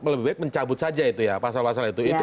lebih baik mencabut saja itu ya pasal pasal itu